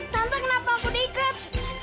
tante kenapa aku diikat